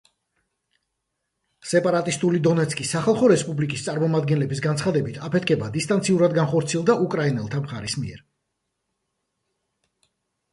სეპარატისტული დონეცკის სახალხო რესპუბლიკის წარმომადგენლების განცხადებით, აფეთქება დისტანციურად განხორციელდა უკრაინელთა მხარის მიერ.